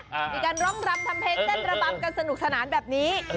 มีการร้องรำทำเพลงเต้นระบำกันสนุกสนานแบบนี้